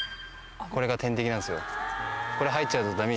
これが天敵なんですよ。